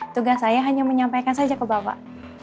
tugas saya hanya menyampaikan saja ke bapak